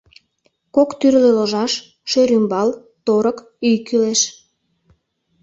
Кок тӱрлӧ ложаш, шӧрӱмбал, торык, ӱй кӱлеш.